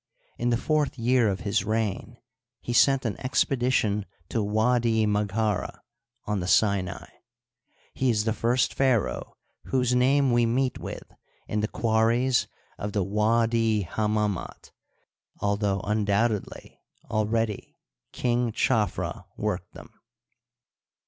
In the fourth year of his reign he sent an expedition to Wadi Maghara on the Sinai. He is the first pharaoh whose name we meet with in the quarries of the Widi Hammamat, although undoubtedly already King Chafra worked them.